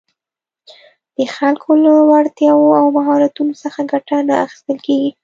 د خلکو له وړتیاوو او مهارتونو څخه ګټه نه اخیستل کېږي